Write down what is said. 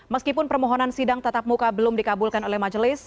meskipun permohonan sidang tatap muka belum dikabulkan oleh majelis